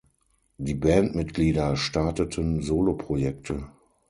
Die Bandmitglieder starteten Soloprojekte.